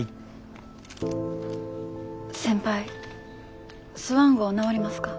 先輩スワン号直りますか？